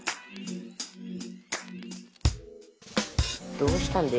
どうしたんだよ？